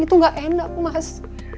itu gak enak mas